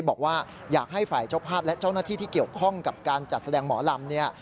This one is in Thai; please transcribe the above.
บอกว่าอยากให้ฝ่ายเจ้าภาพและเจ้าหน้าที่ที่เกี่ยวข้องกับการจัดแสดงหมอลำเนี่ย